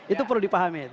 itu perlu dipahami